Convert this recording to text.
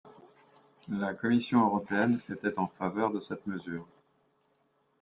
La Commission européenne était en faveur de cette mesure.